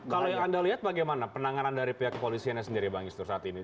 kalau yang anda lihat bagaimana penanganan dari pihak kepolisiannya sendiri bang istur saat ini